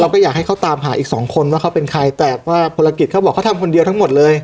ไม่อยากให้เขาตามหาอีกสองคนว่าเขาเป็นใครแต่ว่าพลกิจเขาบอกเขาทำคนเดียวทั้งหมดเลย